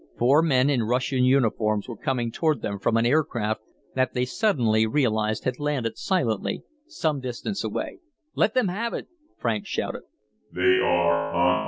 Four men in Russian uniforms were coming toward them from an aircraft that they suddenly realized had landed silently some distance away. "Let them have it!" Franks shouted.